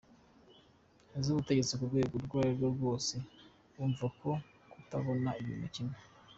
z’ubutegetsi k’urwego urwo ari rwo rwose bumva ko kutabona ibintu kimwe